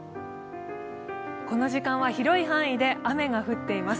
この時間は広い範囲で雨が降っています。